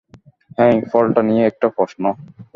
হেই, ফলটা নিয়ে একটা প্রশ্ন।